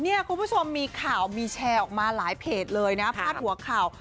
คุณผู้ชมมีข่าวมีแชร์ออกมาหลายเพจเลยนะพาดหัวข่าว